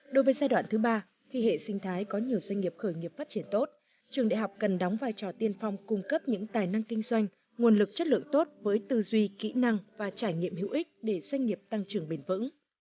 đối với giai đoạn thứ ba khi hệ sinh thái có nhiều doanh nghiệp khởi nghiệp phát triển tốt trường đại học cần đóng vai trò tiên phong cung cấp những tài năng kinh doanh nguồn lực chất lượng tốt với tư duy kỹ năng và trải nghiệm hữu ích để doanh nghiệp tăng trưởng bền vững